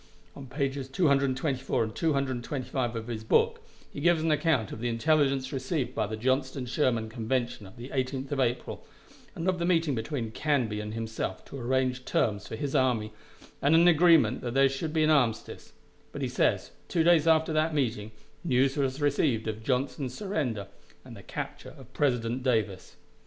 On pages 224 and 225 of his book, he gives an account of the intelligence received of the Johnston Sherman convention of the 18th of April, and of the meeting between Canby and himself to arrange terms for his army, and an agreement that there should be an armistice; but he says, two days after that meeting, news was received of Johnston's surrender, and the capture of President Davis.